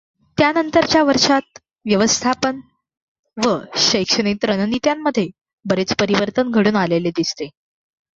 त्यानंतरच्या वर्षांत व्यवस्थापन व शैक्षणिक रणनीत्यांमध्ये बरेच परिवर्तन घडून आलेले दिसते.